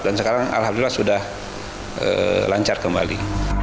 dan sekarang alhamdulillah sudah lancar kembali